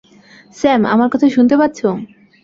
Sam, আমার কথা শুনতে পাচ্ছো?